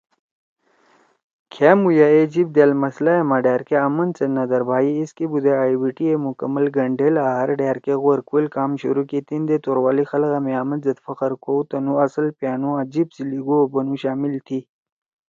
کھامُو یأ اے جیِب دأل مسئلہ ئے ما ڈھأرکے آمن سیت نہ دھربھائی، ایسکے بُودے ائی بی ٹی اے مکمل گھنڈیل آں ہر ڈھأر کے غورکوئیل کام شروع کی تیندے توروالی خلگا می آمن زید فخر کؤ، تُنُو آصل پیانُو آں جیِب سی لیِگو او بنُو شامل تھی۔